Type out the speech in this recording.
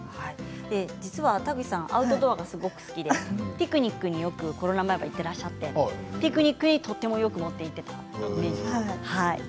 実は田口さんアウトドアがすごく好きでピクニックによくコロナ前は行ってらっしゃってピクニックにとてもよく持って行っていたと。